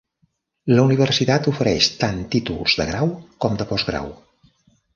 La universitat ofereix tant títols de grau com de postgrau.